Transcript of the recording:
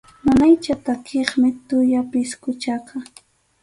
Munaycha takiqmi tuya pisquchaqa.